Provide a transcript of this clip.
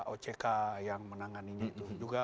ock yang menangani itu